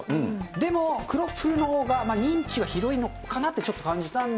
でも、クロッフルのほうが認知は広いのかなってちょっと感じたんで。